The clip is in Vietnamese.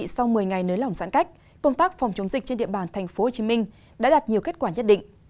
sau một mươi ngày nới lỏng giãn cách công tác phòng chống dịch trên địa bàn tp hcm đã đạt nhiều kết quả nhất định